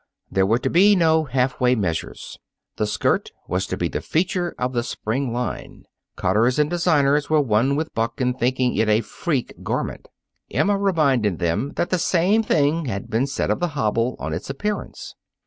There were to be no half way measures. The skirt was to be the feature of the spring line. Cutters and designers were one with Buck in thinking it a freak garment. Emma reminded them that the same thing had been said of the hobble on its appearance.